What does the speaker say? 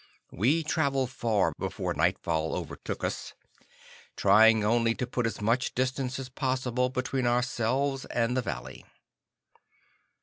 We traveled far before nightfall overtook us, trying only to put as much distance as possible between ourselves and the valley.